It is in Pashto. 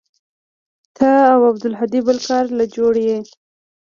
ته او عبدالهادي بل كار له جوړ يې.